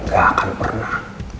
gak akan pernah